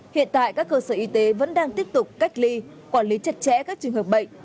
hiện tại các cơ sở y tế vẫn đang tiếp tục cách ly quản lý chặt chẽ các trường hợp bệnh